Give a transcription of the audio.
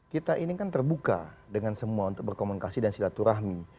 kita ini kan terbuka dengan semua untuk berkomunikasi dan silaturahmi